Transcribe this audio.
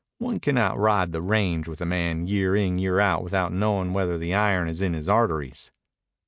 One cannot ride the range with a man year in, year out, without knowing whether the iron is in his arteries.